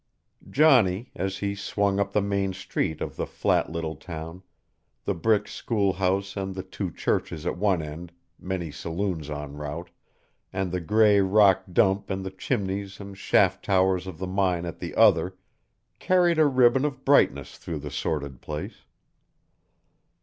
Johnny, as he swung up the main street of the flat little town, the brick school house and the two churches at one end, many saloons en route, and the gray rock dump and the chimneys and shaft towers of the mine at the other, carried a ribbon of brightness through the sordid place.